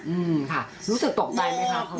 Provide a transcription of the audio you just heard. อืมค่ะรู้สึกตกใจไหมคะ